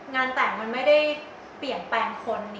งานแต่งมันไม่ได้เปลี่ยนแปลงคน